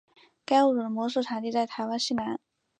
该物种的模式产地在台湾西南。